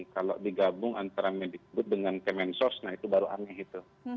kalau digabung antara medikbud dengan kemensos nah itu baru aneh itu